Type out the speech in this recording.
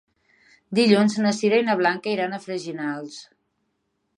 Dilluns na Sira i na Blanca iran a Freginals.